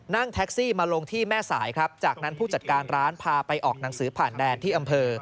นั่งแท็กซี่มาลงที่แม่สายครับจากนั้นผู้จัดการร้านพาไปออกหนังสือผ่านแดนที่อำเภอ